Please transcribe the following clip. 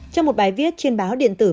trong một bài viết trên báo điện thoại